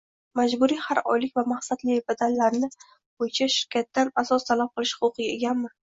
Majburiy har oylik va maqsadli badallari bo‘yicha shirkatdan asos talab qilish huquqiga egami?